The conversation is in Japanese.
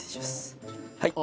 はい。